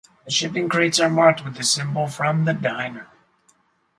The shipping crates are marked with the symbol from the diner.